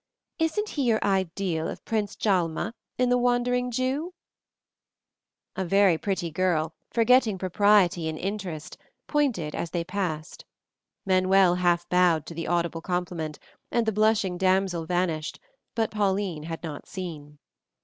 Isn't he your ideal of Prince Djalma, in The Wandering Jew?" A pretty girl, forgetting propriety in interest, pointed as they passed. Manuel half bowed to the audible compliment, and the blushing damsel vanished, but Pauline had not seen.